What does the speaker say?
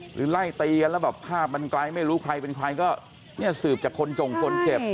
หรือไล่ตีกันแล้วภาพมันไกลไม่รู้ใครเป็นใครก็สืบจากคนจงคนเข็บ